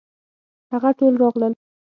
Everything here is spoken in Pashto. هغه ټول راغلل.